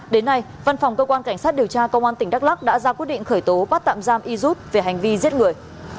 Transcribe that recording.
đến nay văn phòng cơ quan cảnh sát điều tra công an tỉnh đắk lắc đã ra quyết định khởi tố bắt tạm giam y jut về hành vi giết người